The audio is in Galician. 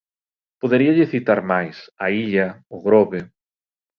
Poderíalle citar máis, A Illa, O Grove.